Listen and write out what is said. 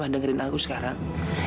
mama dengerin aku sekarang